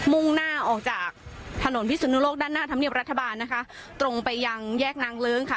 มุ่งหน้าออกจากถนนพิสุนุโลกด้านหน้าธรรมเนียบรัฐบาลนะคะตรงไปยังแยกนางเลิ้งค่ะ